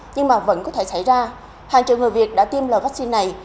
nhưng mà vẫn có thể xảy ra hàng triệu người việt đã tiêm lỡ vaccine này